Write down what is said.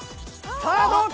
さあどうか？